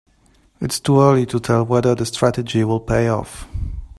It's too early to tell whether the strategy will pay off.